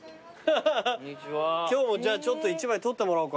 今日もちょっと１枚撮ってもらおうかな